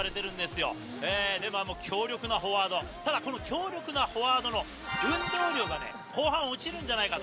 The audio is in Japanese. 強力なフォワードただこの強力なフォワードの運動量が後半落ちるんじゃないかと。